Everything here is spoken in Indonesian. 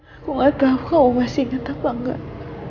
aku gak tau kamu masih inget apa gak